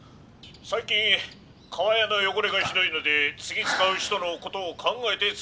最近かわやの汚れがひどいので次使う人のことを考えて使って頂きたい。